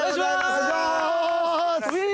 お願いします！